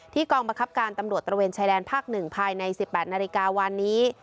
กองบังคับการตำรวจตระเวนชายแดนภาค๑ภายใน๑๘นาฬิกาวันนี้